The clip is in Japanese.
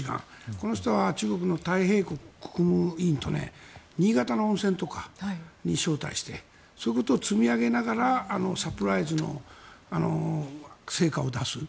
この人は中国の太平洋国務委員と新潟の温泉とかに招待してそういうことを積み上げながらサプライズの成果を出す。